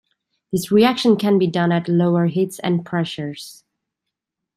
This reaction can be done at lower heats and pressures.